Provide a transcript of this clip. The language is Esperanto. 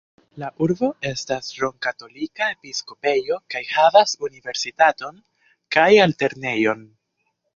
La urbo estas rom-katolika episkopejo kaj havas universitaton kaj altlernejon.